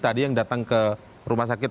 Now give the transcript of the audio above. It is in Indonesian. tadi yang datang ke rumah sakit